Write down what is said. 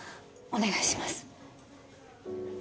お願いします